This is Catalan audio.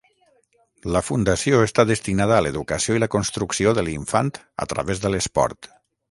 La fundació està destinada a l'educació i la construcció de l'infant a través de l'esport.